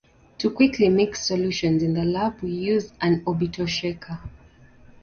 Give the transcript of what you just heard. To quickly mix solutions in the lab, we use an orbital shaker.